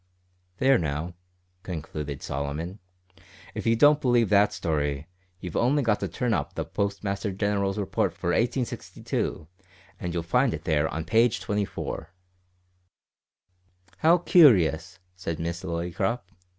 There now," concluded Solomon, "if you don't believe that story, you've only got to turn up the Postmaster General's Report for 1862, and you'll find it there on page 24." "How curious!" said Miss Lillycrop.